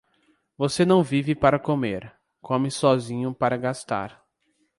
Você não vive para comer, come sozinho para gastar.